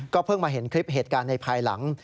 เพิ่งมาเห็นคลิปเหตุการณ์ในภายหลัง